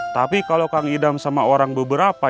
tapi kalau kang idam sama orang beberapa